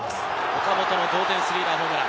岡本の同点スリーランホームラン。